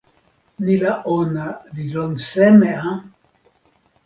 ni la ona li lon seme a?